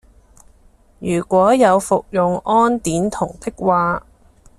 如果有服用胺碘酮的話